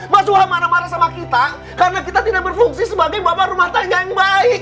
mahasiswa marah marah sama kita karena kita tidak berfungsi sebagai bapak rumah tangga yang baik